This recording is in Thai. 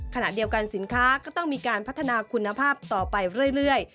ขณะเดียวกันสินค้าก็ต้องมีการพัฒนาคุณภาพต่อไปเรื่อย